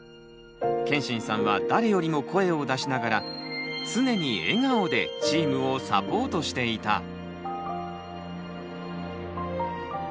けんしんさんは誰よりも声を出しながら常に笑顔でチームをサポートしていた。